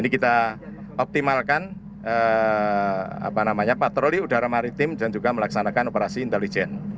kita optimalkan patroli udara maritim dan juga melaksanakan operasi intelijen